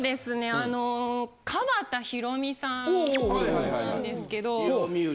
あの川田裕美さんなんですけど。